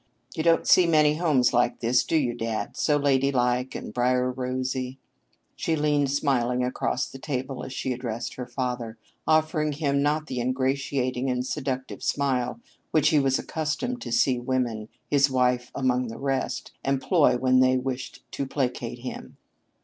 You don't see many homes like this, do you, dad, so ladylike and brier rosy?" She leaned smilingly across the table as she addressed her father, offering him not the ingratiating and seductive smile which he was accustomed to see women his wife among the rest employ when they wished to placate him.